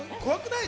怖くない？